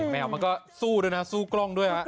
แมวมันก็สู้ด้วยนะสู้กล้องด้วย